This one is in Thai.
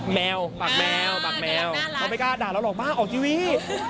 แมวปากแมวน้องไม่กล้าด่าเราหรอกบ้างออกทีวี